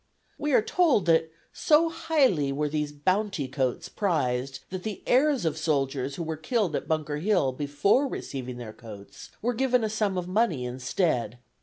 We are told that "so highly were these 'Bounty Coats' prized, that the heirs of soldiers who were killed at Bunker Hill before receiving their coats were given a sum of money instead.